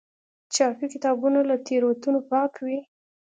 چاپي کتابونه له تېروتنو پاک وي.